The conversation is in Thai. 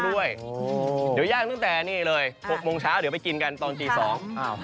หรือย่างตั้งแต่๖โมงช้าเดี๋ยวไปกินกันตอน๒ส่วน